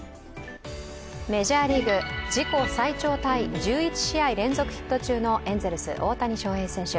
メジャーリーグ、自己最長タイ１１試合連続ヒット中のエンゼルス・大谷翔平選手。